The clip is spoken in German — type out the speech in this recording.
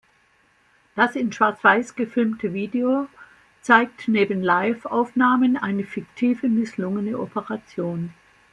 Das in Schwarzweiß gefilmte Video zeigt neben Liveaufnahmen eine fiktive misslungene Operation.